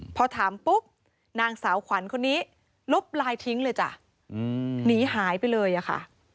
พอถามปุ๊บนางสาวขวัญคนนี้ลบไลน์ทิ้งเลยจ้ะหนีหายไปเลยอะค่ะ